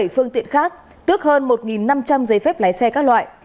sáu mươi bảy phương tiện khác tước hơn một năm trăm linh giấy phép lái xe các loại